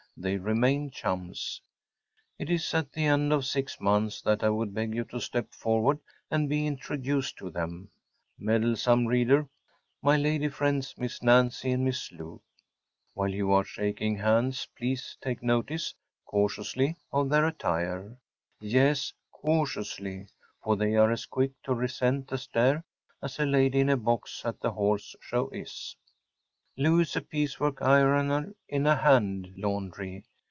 They remained chums. It is at the end of six months that I would beg you to step forward and be introduced to them. Meddlesome Reader: My Lady friends, Miss Nancy and Miss Lou. While you are shaking hands please take notice‚ÄĒcautiously‚ÄĒof their attire. Yes, cautiously; for they are as quick to resent a stare as a lady in a box at the horse show is. Lou is a piece work ironer in a hand laundry.